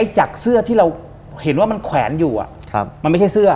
จากเสื้อที่เราเห็นว่ามันแขวนอยู่มันไม่ใช่เสื้อ